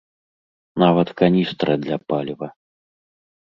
Нават каністра для паліва.